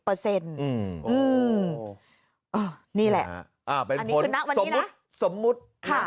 อันนี้คือนักวันนี้นะ